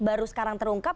baru sekarang terungkap